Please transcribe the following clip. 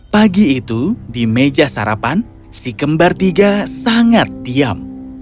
pagi itu di meja sarapan si kembar tiga sangat diam